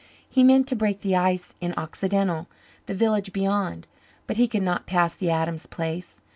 He meant to break the ice in Occidental, the village beyond. But he could not pass the Adams place.